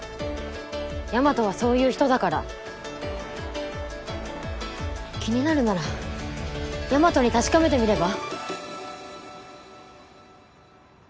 大和はそういう人だから気になるなら大和に確かめてみれば？